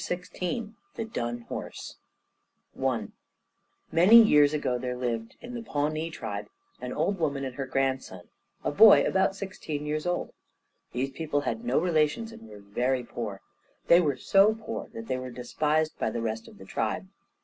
XVI THE DUN HORSE I Many years ago there lived in the Pawnee tribe an old woman and her grandson a boy about sixteen years old. These people had no relations and were very poor. They were so poor that they were despised by the rest of the tribe.